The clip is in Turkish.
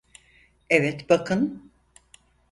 Evet, bakın.